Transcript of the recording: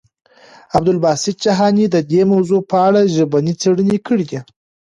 عبدالباسط جهاني د دې موضوع په اړه ژبني څېړنې کړي دي.